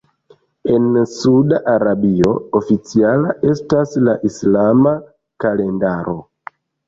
En Sauda Arabio oficiala estas la islama kalendaro.